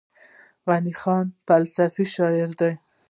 غني خان فلسفي شاعر دی.